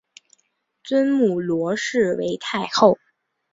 尊母罗氏为太后。